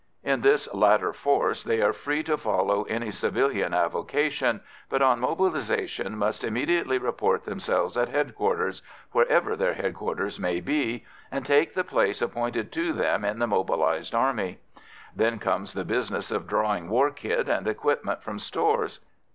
In this latter force, they are free to follow any civilian avocation, but on mobilisation must immediately report themselves at headquarters wherever their headquarters may be and take the place appointed to them in the mobilised army. Then comes the business of drawing war kit and equipment from stores.